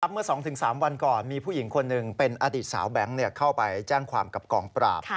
เมื่อ๒๓วันก่อนมีผู้หญิงคนหนึ่งเป็นอดีตสาวแบงค์เข้าไปแจ้งความกับกองปราบ